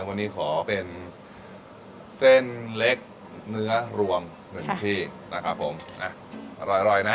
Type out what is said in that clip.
วันนี้ขอเป็นเส้นเล็กเนื้อรวมนะครับผมอร่อยนะ